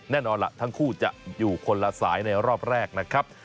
แน่นอนล่ะทั้งคู่จะอยู่คนละสายในรอบแรกนะครับ